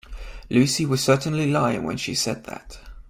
Lucy was certainly lying when she said that.